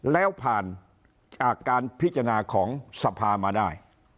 แล้วผ่านจากการพิจารณาของสภามาได้